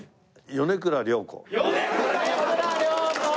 米倉涼子！